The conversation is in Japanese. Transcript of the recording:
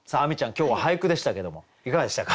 今日は俳句でしたけどもいかがでしたか？